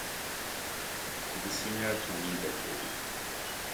It is similar to an interfluve.